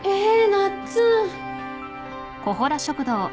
なっつん！